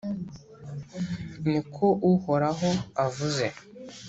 ni ko Uhoraho avuze.